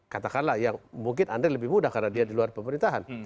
katakanlah yang mungkin andre lebih mudah karena dia di luar pemerintahan